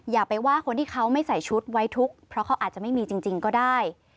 อย่าไปว่าคนที่เขาไม่ใส่ชุดไว้ทุกข์เพราะเขาอาจจะไม่มีจริงก็ได้